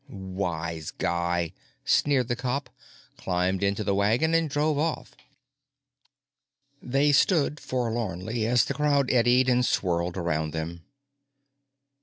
"Wise guy," sneered the cop, climbed into the wagon and drove off. They stood forlornly as the crowd eddied and swirled around them.